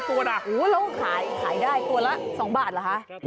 ตัวนะแล้วขายได้ตัวละ๒บาทเหรอคะ